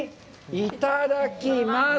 いただきます。